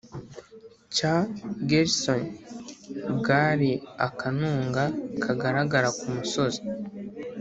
cya gersony bwari akanunga kagaragara k'umusozi